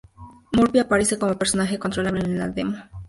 Murphy aparece como personaje controlable en la demo.